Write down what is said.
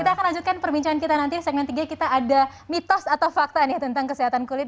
kita akan lanjutkan perbincangan kita nanti di segmen tiga kita ada mitos atau fakta nih tentang kesehatan kulit